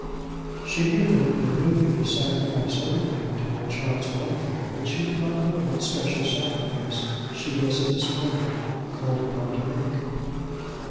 She knew that it behoved her to sacrifice everything to her child's welfare, but she did not know what special sacrifice she was at this moment called upon to make.